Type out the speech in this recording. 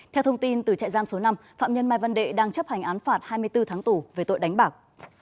theo thông tin từ chạy giam số năm phạm nhân mai văn đệ đang chấp hành án phạt hai mươi bốn tháng tù về tội đánh bạc